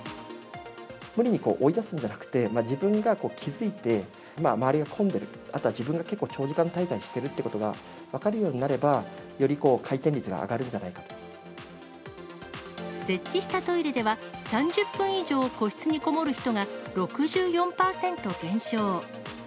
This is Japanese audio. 無理に追い出すんじゃなくて、自分が気付いて、周りが混んでるという形で、あとは自分が結構長時間滞在しているということが分かるようになれば、設置したトイレでは、３０分以上個室にこもる人が６４％減少。